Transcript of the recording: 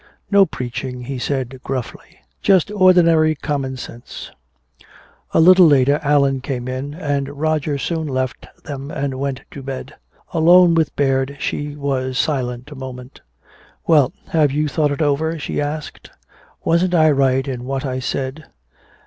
"No preaching," he said gruffly. "Just ordinary common sense." A little later Allan came in, and Roger soon left them and went to bed. Alone with Baird she was silent a moment. "Well? Have you thought it over?" she asked. "Wasn't I right in what I said?"